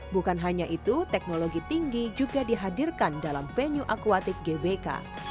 bukan hanya itu teknologi tinggi juga dihadirkan dalam venue akuatik gbk